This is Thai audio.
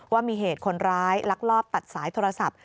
ว่ามีเหตุคนร้ายลักลอบตัดสายโทรศัพท์